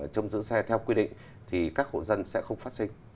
trong giữ xe theo quy định thì các hộ dân sẽ không phát sinh